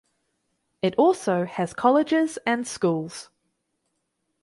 It also has colleges and schools.